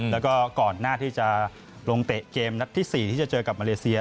แล้วก็ก่อนหน้าที่จะลงเตะเกมนัดที่๔ที่จะเจอกับมาเลเซีย